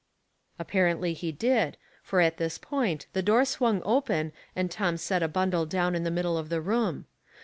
Apparently he did, for at this point the door swung open and Tom set a bundle down in the middle of the room.